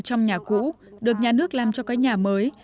vẫn ở trong nhà cũ được nhà nước làm cho cái nhà mới